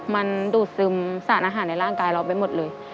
มันดูดซึมสารอาหารในร่างกายเราไปหมดเลย